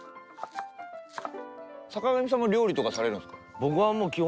坂上さんも料理とかされるんですか？